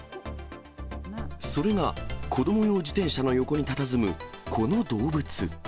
それが子ども用自転車の横にたたずむこの動物。